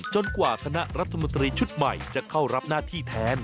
กว่าคณะรัฐมนตรีชุดใหม่จะเข้ารับหน้าที่แทน